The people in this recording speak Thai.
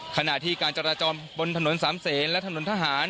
ขณะที่การจราจรบนถนนสามเศษและถนนทหาร